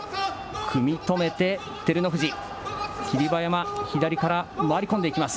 組み止めて、照ノ富士、霧馬山、左から回り込んでいきます。